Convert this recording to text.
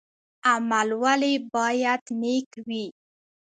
عمل ولې باید نیک وي؟